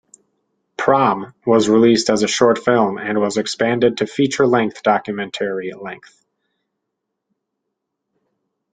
"Prom" was released as a short film and was expanded to feature-length documentary length.